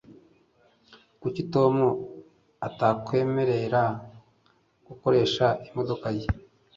Kuki Tom atakwemerera gukoresha imodoka ye